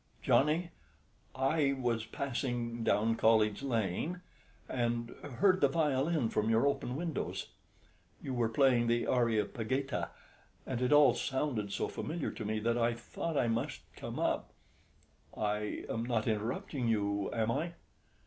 "Johnnie, I was passing down New College Lane, and heard the violin from your open windows. You were playing the 'Areopagita,' and it all sounded so familiar to me that I thought I must come up. I am not interrupting you, am I?"